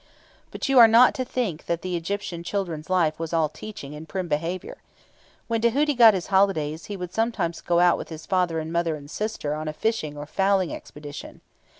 But you are not to think that the Egyptian children's life was all teaching and prim behaviour. When Tahuti got his holidays, he would sometimes go out with his father and mother and sister on a fishing or fowling expedition.